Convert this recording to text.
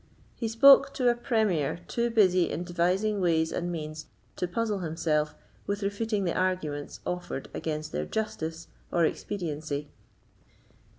He spoke to a premier too busy in devising ways and means to puzzle himself with refuting the arguments offered against their justice or expediency.